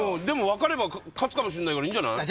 分かれば勝つかもしんないからいいんじゃない？